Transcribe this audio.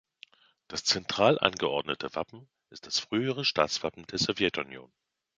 Das zentral angeordnete Wappen ist das frühere Staatswappen der Sowjetunion.